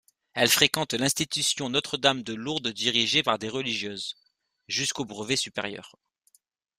Elle fréquente l'Institution Notre-Dame-de-Lourdes dirigée par des religieuses, jusqu'au Brevet supérieur.